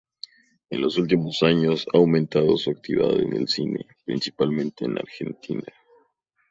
En los últimos años ha aumentado su actividad en el cine, principalmente en Argentina.